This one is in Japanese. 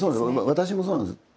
私もそうなんですよ。